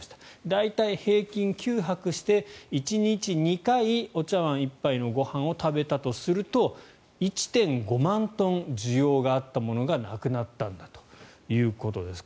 大体平均９泊して１日２回お茶碗１杯のご飯を食べたとすると１．５万トン需要があったものがなくなったんだということです。